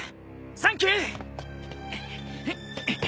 サンキュー！